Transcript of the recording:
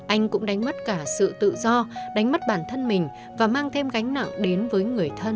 anh cũng đánh mất cả sự tự do đánh mất bản thân mình và mang thêm gánh nặng đến với người thân